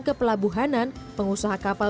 kepelabuhanan pengusaha kapal